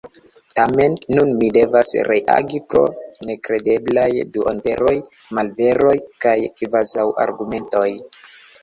Tamen nun mi devas reagi pro nekredeblaj duonveroj, malveroj kaj kvazaŭargumentoj.